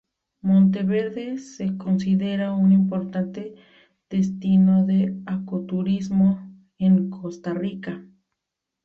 Monteverde se considera un importante destino de ecoturismo en Costa Rica.